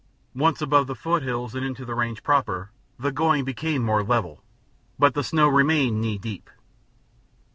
Once above the foothills and into the range proper, the going became more level, but the snow remained knee deep.